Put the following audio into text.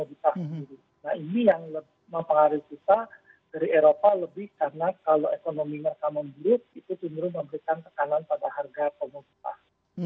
itu menurut memberikan tekanan pada harga komoditas